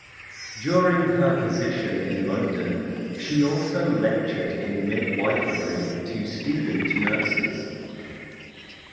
During her position in London she also lectured in midwifery to student nurses.